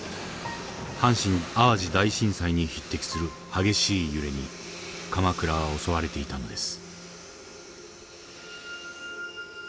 阪神淡路大震災に匹敵する激しい揺れに鎌倉は襲われていたのです。